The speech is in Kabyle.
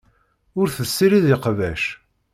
Ur tessirid iqbac.